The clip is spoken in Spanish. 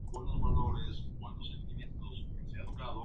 A pesar de este detalle, legalmente el pueblo se llama Villa del Rosario.